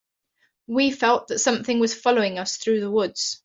We felt that something was following us through the woods.